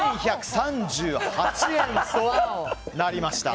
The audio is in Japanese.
２１３８円になりました。